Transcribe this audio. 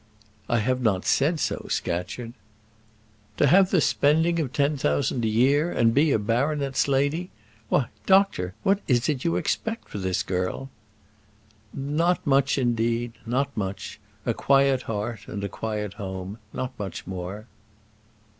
"I have not said so, Scatcherd." "To have the spending of ten thousand a year, and be a baronet's lady! Why, doctor, what is it you expect for this girl?" "Not much, indeed; not much. A quiet heart and a quiet home; not much more."